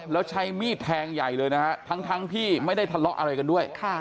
แล้วใช้มีดแทงใหญ่เลยนะฮะทั้งที่ไม่ได้ทะเลาะอะไรกันด้วย